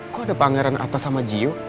kok ada pangeran atas sama gio